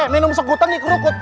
minum sekutang di kerukut